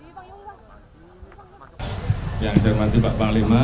yang saya ingin mengucapkan kepada pak pak lima